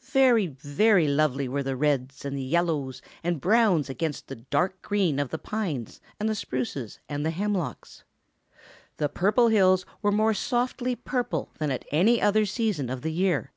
Very, very lovely were the reds and yellows and browns against the dark green of the pines and the spruces and the hemlocks. The Purple Hills were more softly purple than at any other season of the year.